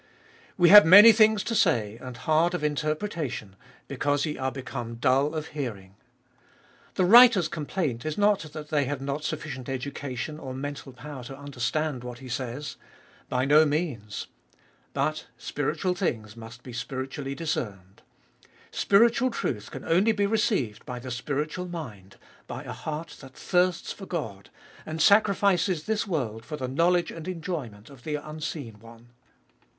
We have many things to say, and hard of interpretation, because ye are become dull of hearing. The writer's complaint is not that they have not sufficient education or mental power to understand what he says. By no means. But spiritual things must be spiritually discerned. Spiritual truth can only be received by the spiritual mind, by a heart that thirsts for God, and sacrifices this world for the knowledge and enjoyment of the unseen One.